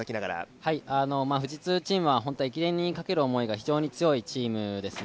富士通チームは駅伝にかける思いが非常に強いチームですね。